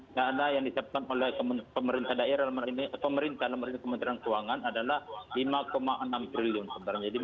jadi sebenarnya tidak ada yang disiapkan oleh